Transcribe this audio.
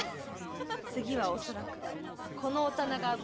次はおそらくこのお店が危ないと。